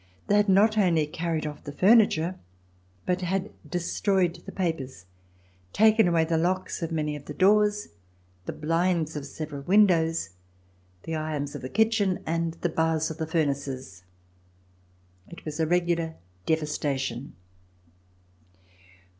They had not only carried off the furniture but had de stroyed the papers, taken away the locks of many of the doors, the blinds of several windows, the irons of the kitchen and the bars of the furnaces. It was a regular devastation.